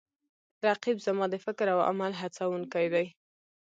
رقیب زما د فکر او عمل هڅوونکی دی